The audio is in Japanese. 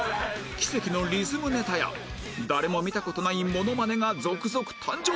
奇跡のリズムネタや誰も見た事ないモノマネが続々誕生！